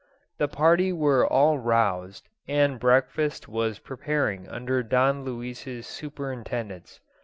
The party were all roused, and breakfast was preparing under Don Luis's superintendence.